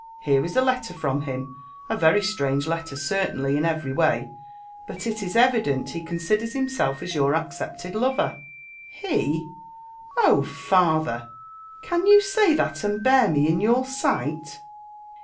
Here is a letter from him — a very strange letter certainly, in every way; but it is evident he considers himself as your accepted lover." He! — Oh, father! can you say that a6d bear me in your sight?